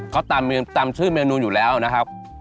เขาตามชื่อเมนูอยู่แล้วนะครับ